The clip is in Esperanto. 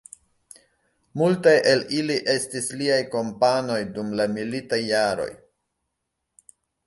Multaj el ili estis liaj kompanoj dum la militaj jaroj.